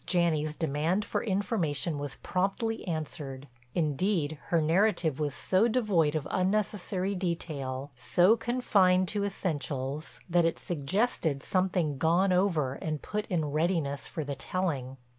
Janney's demand for information was promptly answered; indeed her narrative was so devoid of unnecessary detail, so confined to essentials, that it suggested something gone over and put in readiness for the telling.